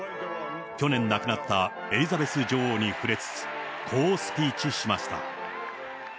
去年亡くなったエリザベス女王に触れつつ、こうスピーチしました。